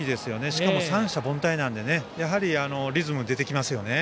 しかも三者凡退なのでやはりリズムが出てきますよね。